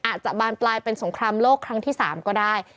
อาจจะบานปลายเป็นสงครามโลกครั้งที่๓ก็ได้